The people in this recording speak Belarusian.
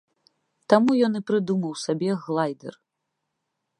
Таму ён і прыдумаў сабе глайдэр.